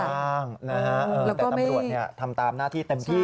แล้วก็ไม่ทำตามหน้าที่เต็มที่